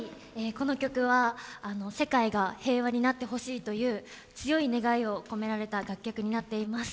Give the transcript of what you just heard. この曲は世界が平和になってほしいという強い願いを込められた楽曲になっています。